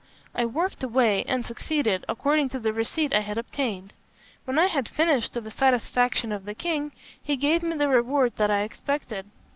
I worked away, and succeeded, according to the receipt I had obtained. When I had finished to the satisfaction of the king, he gave me the reward that I expected.